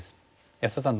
安田さん